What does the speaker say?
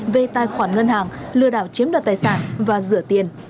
về tài khoản ngân hàng lừa đảo chiếm đoạt tài sản và rửa tiền